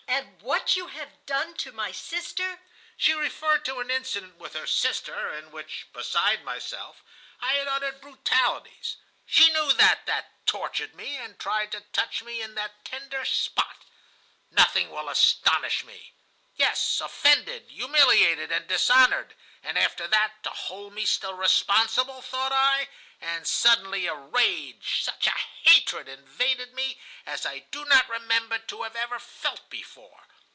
'After what you have done to my sister (she referred to an incident with her sister, in which, beside myself, I had uttered brutalities; she knew that that tortured me, and tried to touch me in that tender spot) nothing will astonish me.' "'Yes, offended, humiliated, and dishonored, and after that to hold me still responsible,' thought I, and suddenly a rage, such a hatred invaded me as I do not remember to have ever felt before.